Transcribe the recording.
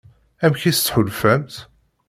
Amek i s-tḥulfamt?